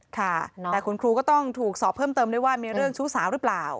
ค่ะแต่คุณครูก็ต้องถูกสอบเพิ่มเติมด้วยว่ามีเรื่องชู้สาวหรือเปล่า